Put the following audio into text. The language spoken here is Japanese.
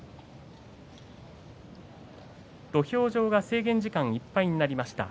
土俵上が制限時間いっぱいになりました。